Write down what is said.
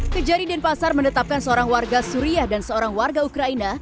kejari denpasar menetapkan seorang warga suriah dan seorang warga ukraina